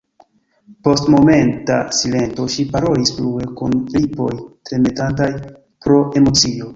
Post momenta silento ŝi parolis plue kun lipoj tremetantaj pro emocio: